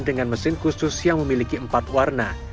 dengan mesin khusus yang memiliki empat warna